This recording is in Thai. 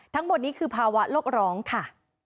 ทั้งหมดนี้คือภาวะโลกร้องค่ะ